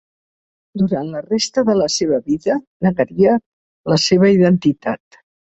Durant la resta de la seva vida negaria la seva identitat.